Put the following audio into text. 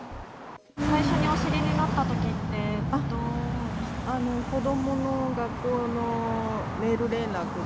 最初にお知りになったときっ子どもの学校のメール連絡で。